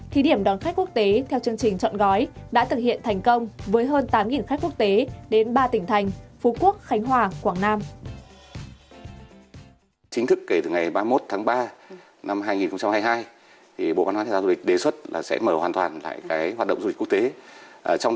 thì điểm đón khách quốc tế theo chương trình chọn gói đã thực hiện thành công